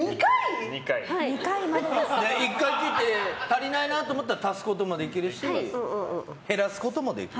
１回切って足りないなと思ったら足すこともできるし減らすこともできる。